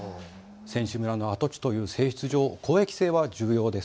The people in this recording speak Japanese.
選手村の跡地という性質上、公益性は重要です。